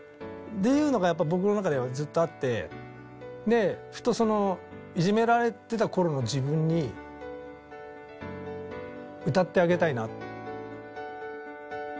っていうのがやっぱ僕の中ではずっとあってでふとそのいじめられてたころの自分に歌ってあげたいな。